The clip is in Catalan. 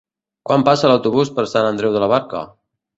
Quan passa l'autobús per Sant Andreu de la Barca?